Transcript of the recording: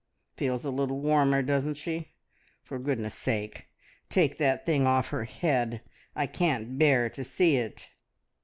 "Feels a little warmer, doesn't she? For goodness' sake, take that thing off her head, I can't bear to see it."